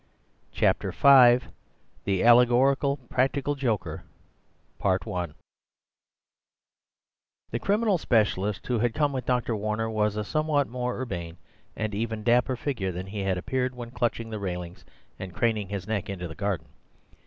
Chapter V The Allegorical Practical Joker The criminal specialist who had come with Dr. Warner was a somewhat more urbane and even dapper figure than he had appeared when clutching the railings and craning his neck into the garden.